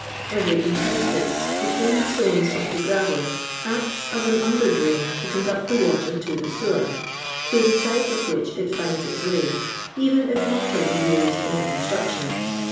Every interstice between the stones of the gravel acts as an under drain to conduct the water to the sewer, through the sides of which it finds its way, even if mortar be used in the construction.